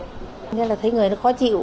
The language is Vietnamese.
thế là thấy người nó khó chịu